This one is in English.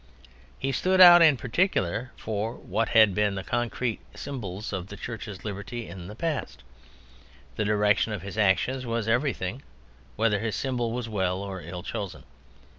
He stood out in particular for what had been the concrete symbols of the Church's liberty in the past. The direction of his actions was everything, whether his symbol was well or ill chosen.